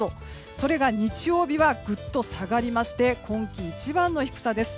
それが日曜日はぐっと下がりまして今季一番の低さです。